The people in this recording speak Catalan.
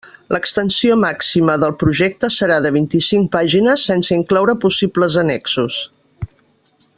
L'extensió màxima del projecte serà de vint-i-cinc pàgines, sense incloure possibles annexos.